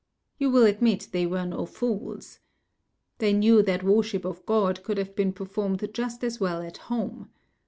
You will admit they were no fools. They knew that worship of God could have been performed just as well at home.